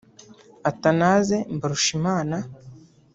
Athanase Mbarushimana